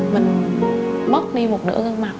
mình mất đi một nửa gương mặt